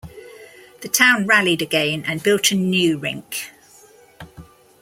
The town rallied again and built a new rink.